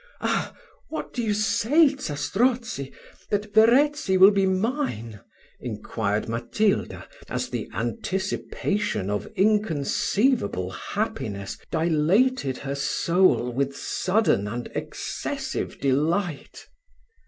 "Ah! what do you say, Zastrozzi, that Verezzi will be mine?" inquired Matilda, as the anticipation of inconceivable happiness dilated her soul with sudden and excessive delight.